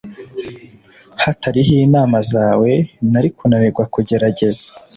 Hatariho inama zawe, nari kunanirwa kugerageza.